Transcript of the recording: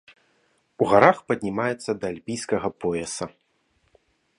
У гарах паднімаецца да альпійскага пояса.